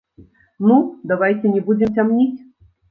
Ну, давайце не будзем цямніць.